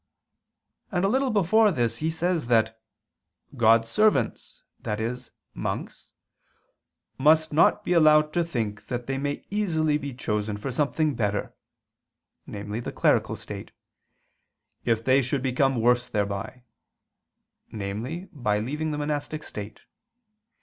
And a little before this he says that "God's servants," i.e. monks, "must not be allowed to think that they may easily be chosen for something better," namely the clerical state, "if they should become worse thereby," namely by leaving the monastic state.